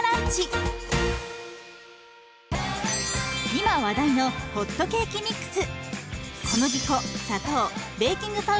今話題のホットケーキミックス。